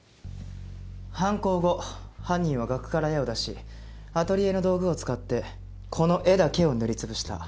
犯行後犯人は額から絵を出しアトリエの道具を使ってこの絵だけを塗り潰した。